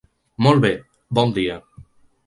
Molt bé, bon dia!